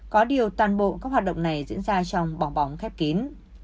có điều toàn bộ các hoạt động này diễn ra trong bóng bóng khép kín